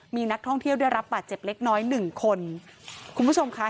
มีนักท่องเที่ยวได้รับบาดเจ็บเล็กน้อยหนึ่งคนคุณผู้ชมค่ะ